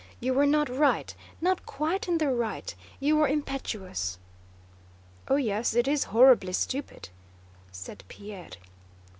You were not right, not quite in the right, you were impetuous..." "Oh yes, it is horribly stupid," said Pierre.